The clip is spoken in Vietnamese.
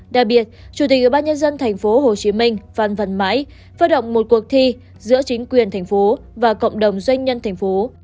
đặc biệt chủ tịch ủy ban nhân dân thành phố hồ chí minh văn văn mãi phát động một cuộc thi giữa chính quyền thành phố và cộng đồng doanh nhân thành phố